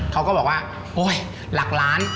เขาก็บอกว่าโอ๊ยหลักล้าน